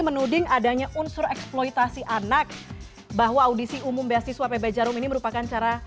menuding adanya unsur eksploitasi anak bahwa audisi umum beasiswa pb jarum ini merupakan cara